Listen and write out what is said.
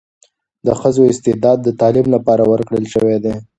د ښځو استعداد د تعلیم لپاره ورکړل شوی دی.